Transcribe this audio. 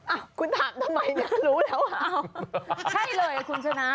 อ่ะคุณถามทำไมเนี่ยรู้แล้วใช่เลยคุณชนะ